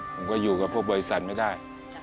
ผมก็อยู่กับพวกบริษัทไม่ได้